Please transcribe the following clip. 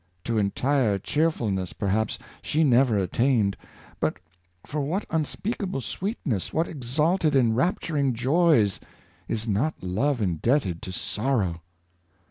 To entire cheerfulness, perhaps, she never attained, but for what unspeakable sweetness, what exalted enrapturing joys, is not love indebted to sorrow!